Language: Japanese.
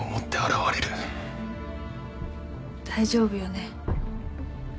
大丈夫よね？